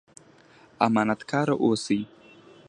امانت کاره اوسئ